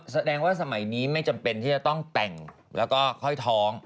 แสดงว่าสมัยนี้ไม่จำเป็นที่จะต้องแต่งแล้วก็ค่อยท้อง